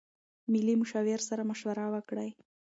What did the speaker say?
مالي مشاور سره مشوره وکړئ.